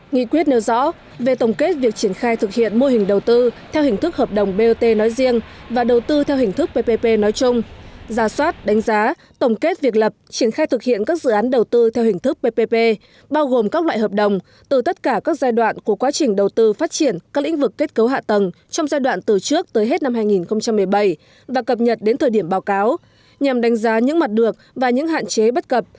nghị quyết nêu rõ về tổng kết việc triển khai thực hiện mô hình đầu tư theo hình thức hợp đồng bot nói riêng và đầu tư theo hình thức ppp nói chung giả soát đánh giá tổng kết việc lập triển khai thực hiện các dự án đầu tư theo hình thức ppp bao gồm các loại hợp đồng từ tất cả các giai đoạn của quá trình đầu tư phát triển các lĩnh vực kết cấu hạ tầng trong giai đoạn từ trước tới hết năm hai nghìn một mươi bảy và cập nhật đến thời điểm báo cáo nhằm đánh giá những mặt được và những hạn chế bất cập